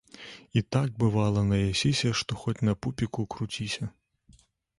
І так, бывала, наясіся, што хоць на пупіку круціся